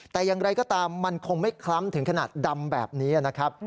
แต่อย่างไรก็ตามมันคงไม่คล้ำถึงขนาดดำแบบนี้นะครับ